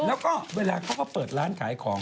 แล้วก็เวลาเขาก็เปิดร้านขายของ